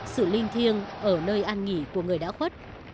sự linh thiêng ở nơi an nghỉ của người đã khuất